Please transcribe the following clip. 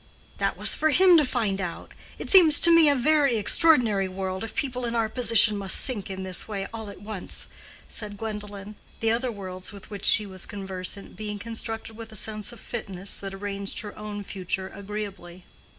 "That was for him to find out. It seems to me a very extraordinary world if people in our position must sink in this way all at once," said Gwendolen, the other worlds with which she was conversant being constructed with a sense of fitness that arranged her own future agreeably.